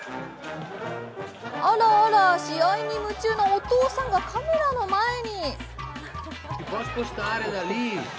あらあら、試合に夢中のお父さんがカメラの前に。